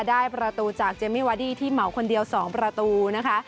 ได้ประตูจากเจมมี่วาดี้ที่เหมาคนเดียว๒ประตูนะคะ